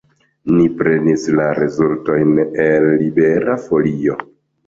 Ni prenis la rezultojn el Libera Folio.